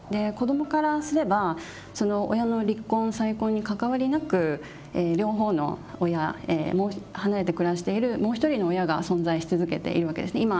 子どもからすれば親の離婚再婚に関わりなく両方の親離れて暮らしているもう一人の親が存在し続けているわけですね。